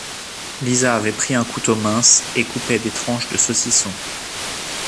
Lisa avait pris un couteau mince et coupait des tranches de saucisson.